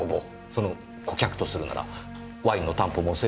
その顧客とするならワインの担保も成立しますねぇ。